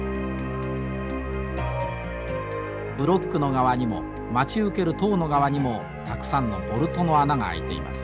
ブロックの側にも待ち受ける塔の側にもたくさんのボルトの穴が開いています。